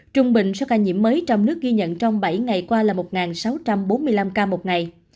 trung bình số ca nhiễm mới trong nước ghi nhận trong bảy ngày qua là một sáu trăm bốn mươi năm ca một ngày